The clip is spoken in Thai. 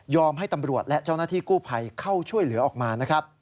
ให้ตำรวจและเจ้าหน้าที่กู้ภัยเข้าช่วยเหลือออกมานะครับ